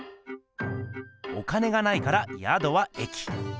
お金がないからやどは駅。